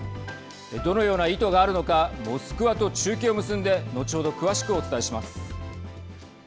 どのような意図があるのかモスクワと中継を結んで後ほど詳しくお伝えします。